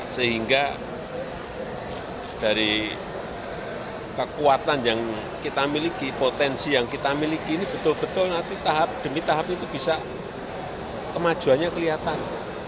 sehingga dari kekuatan yang kita miliki potensi yang kita miliki ini betul betul nanti tahap demi tahap itu bisa kemajuannya kelihatan